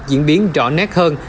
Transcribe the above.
diễn biến rõ nét hơn